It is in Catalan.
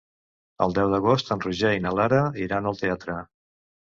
El deu d'agost en Roger i na Lara iran al teatre.